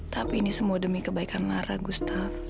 tapi ini semua demi kebaikan lara gustaf